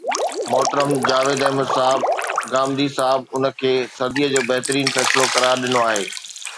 محترم جاويد احمد صاحب غامدي صاحب ان کي صديءَ جو بهترين فيصلو قرار ڏنو آهي